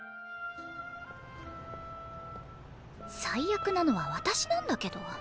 最悪なのは私なんだけど。